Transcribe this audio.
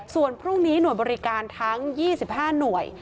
ส่วนพรุ่งนี้หน่วยบริการทั้ง๒๕หน่วย